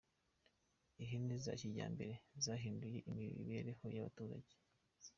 Ihene za kijyambere zahinduye imibereho y’abaturage